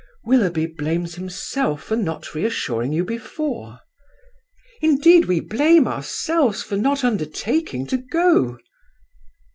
"Willoughby blames himself for not reassuring you before." "Indeed we blame ourselves for not undertaking to go."